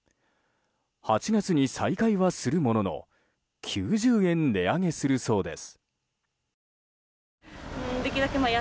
８月に再開はするものの９０円値上げするそうです。